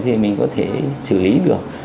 thì mình có thể xử lý được